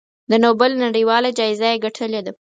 د نوبل نړیواله جایزه یې ګټلې ده.